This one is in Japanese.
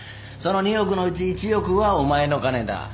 その２億のうち１億はお前の金だ。